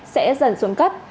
sẽ dần xuống cấp